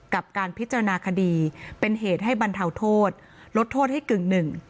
กับการพิจารณาคดีเป็นเหตุให้บรรเทาโทษลดโทษให้กึ่งหนึ่ง